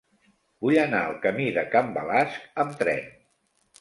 Vull anar al camí de Can Balasc amb tren.